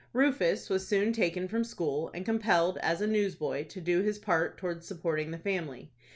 Rufus was soon taken from school, and compelled, as a newsboy, to do his part towards supporting the family.